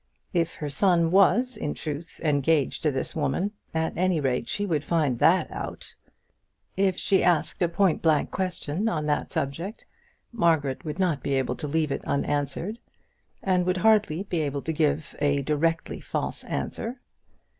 If her son was, in truth, engaged to this woman, at any rate she would find that out. If she asked a point blank question on that subject, Margaret would not be able to leave it unanswered, and would hardly be able to give a directly false answer.